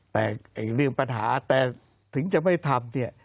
แต่เรื่องปัญหาแต่ถึงจะไม่ทำเนี่ย